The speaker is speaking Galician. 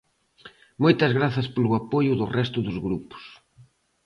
Moitas grazas polo apoio do resto dos grupos.